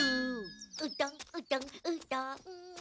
うどんうどんうどん！